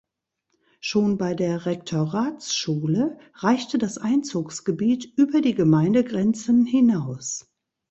Schon bei der Rektoratsschule reichte das Einzugsgebiet über die Gemeindegrenzen hinaus.